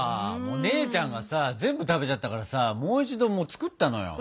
姉ちゃんがさ全部食べちゃったからさもう一度作ったのよ。